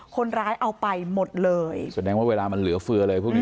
คนร้ายเอาไปหมดเลยแสดงว่าเวลามันเหลือเฟืออะไรพวกนี้